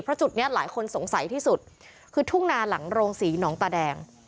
เพราะจุดนี้หลายคนสงสัยที่สุดคือทุ่งนาหลังโรงศรีหนองตาแดง